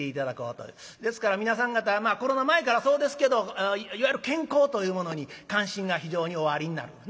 ですから皆さん方コロナ前からそうですけどいわゆる健康というものに関心が非常におありになる。